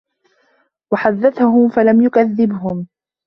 وَحَدَّثَهُمْ فَلَمْ يَكْذِبْهُمْ